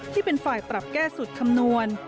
ที่เป็นฝ่ายปรับแก้สุดคำนวณ